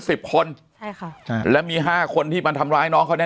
สิบคนใช่ค่ะใช่แล้วมีห้าคนที่มาทำร้ายน้องเขาแน